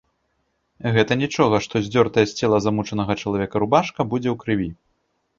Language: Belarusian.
Гэта нічога, што здзёртая з цела замучанага чалавека рубашка будзе ў крыві.